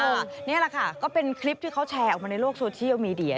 นี่แหละค่ะก็เป็นคลิปที่เขาแชร์ออกมาในโลกโซเชียลมีเดีย